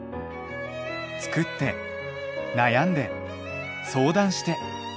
作って悩んで相談して。